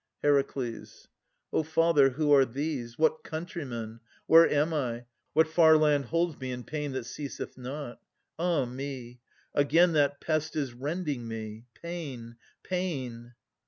HERACLES. O Father, who are these? What countrymen? Where am I? What far land Holds me in pain that ceaseth not? Ah me! Again that pest is rending me. Pain, pain!